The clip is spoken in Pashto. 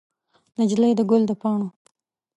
نجلۍ د ګل د پاڼو